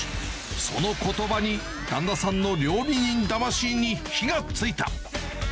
そのことばに、旦那さんの料理人魂に火がついた。